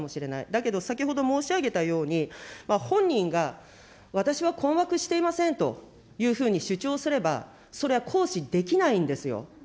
だけど、先ほど申し上げたように、本人が、私は困惑していませんというふうに主張すれば、それは行使できないんですよ。